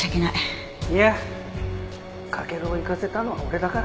いや翔を行かせたのは俺だから。